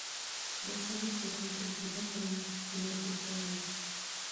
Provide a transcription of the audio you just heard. د سهار وړانګې د ده پر مخ لوبې کولې.